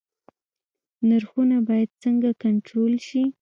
نرخونه باید څنګه کنټرول شي؟